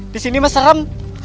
di sini mah serem